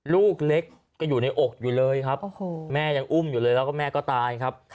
ลูกเล็กก็อยู่ในอกอยู่เลยครับแม่ยังอุ้มอยู่เลยแล้วก็แม่ก็ตายครับ